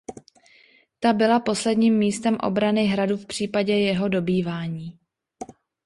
Ta byla posledním místem obrany hradu v případě jeho dobývání.